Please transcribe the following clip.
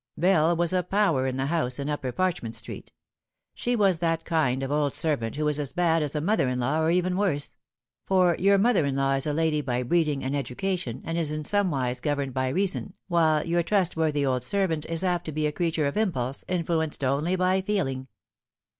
Bell was a power in the house in Upper Parchment Street She was that kind of old servant who is as bad as a mother in law, or even worse ; for your mother in law is a lady by breed ing and education, and is in somewise governed by reason, while your trustworthy old servant is apt to be a creature of impulse, influenced only by feeling.